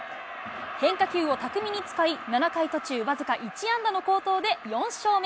変化球を巧みに使い、７回途中、僅か１安打の好投で４勝目。